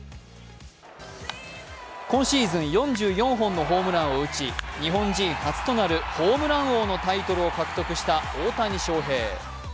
今シーズン４４本のホームランを打ち、日本人初となるホームラン王のタイトルを獲得した大谷翔平。